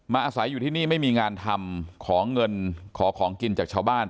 อาศัยอยู่ที่นี่ไม่มีงานทำขอเงินขอของกินจากชาวบ้าน